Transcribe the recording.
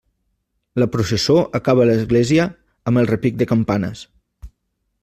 La processó acaba a l'església amb el repic de campanes.